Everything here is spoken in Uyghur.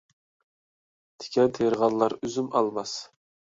تىكەن تېرىغانلار ئۈزۈم ئالالماس.